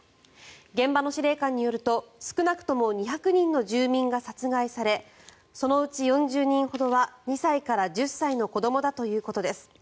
現場の司令官によると少なくとも２００人の住民が殺害されそのうち４０人ほどは２歳から１０歳の子どもだということです。